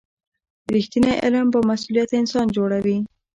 رښتینی علم بامسؤلیته انسان جوړوي.